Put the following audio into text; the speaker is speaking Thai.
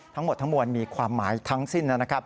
ทั้งหมดทั้งมวลมีความหมายทั้งสิ้นนะครับ